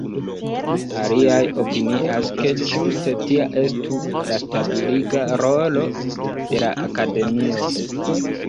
Aliaj opinias, ke ĝuste tia estu la stabiliga rolo de la Akademio.